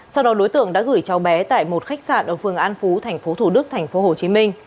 sau đó đối tượng đã gửi cháu bé tại một khách sạn ở phường an phú tp thủ đức tp hcm